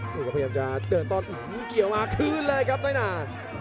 พยายามจะเดินตอนเกี่ยวมาคืนเลยครับน้อยนา